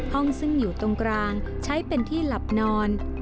ห้องซึ่งอยู่ตรงกลางใช้เป็นที่หลับนอน